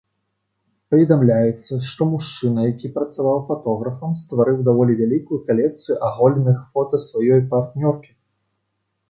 Паведамляецца, што мужчына, які працаваў фатографам, стварыў даволі вялікую калекцыю аголеных фота сваёй партнёркі.